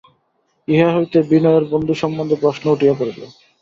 ইহা হইতে বিনয়ের বন্ধু সম্বন্ধে প্রশ্ন উঠিয়া পড়িল।